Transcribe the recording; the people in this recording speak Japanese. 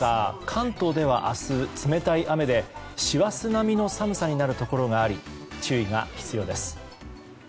関東では、明日冷たい雨で、師走並みの寒さになるところがあり注意が必要です。